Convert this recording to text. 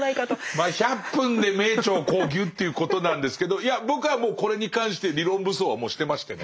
まあ１００分で名著をこうギュッていうことなんですけどいや僕はもうこれに関して理論武装はもうしてましてね。